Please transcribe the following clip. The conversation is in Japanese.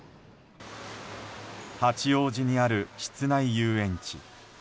八王子にある室内遊園地。